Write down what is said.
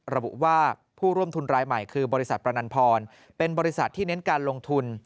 ระบุว่าผู้ร่วมทุนรายใหม่คือบริษัทประนันพรเป็นบริษัทที่เน้นการลงทุน